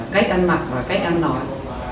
cách ăn mặc và cách ăn nói